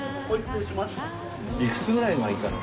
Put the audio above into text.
いくつぐらいがいいかな？